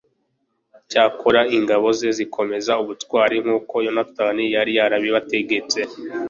cyakora ingabo ze zikomeza ubutwari nk'uko yonatani yari yabibategetse